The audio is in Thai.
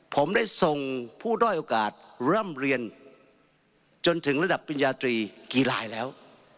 ผมได้ส่งผู้ด้อยโอกาสร่ำเรียนจนถึงระดับปริญญาตรีกีฬาแล้ว